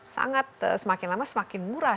semakin lama semakin murah